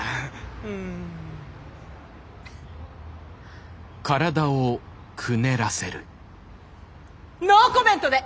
うん。ノーコメントで！